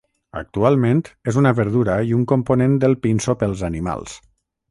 Actualment és una verdura i un component del pinso pels animals.